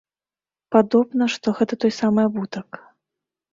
Падобна, што гэта той самы абутак.